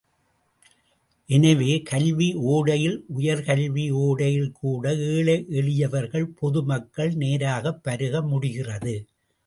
எனவே, கல்வி ஒடையில் உயர்கல்வி ஒடையில்கூட ஏழை எளியவர்கள், பொதுமக்கள் நேராகப் பருக முடிகிறது.